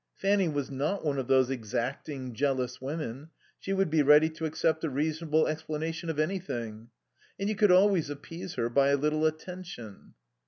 Fanny was not one of those exacting, jealous women; she would be ready to accept a reasonable explanation of anything. And you could always appease her by a little attention.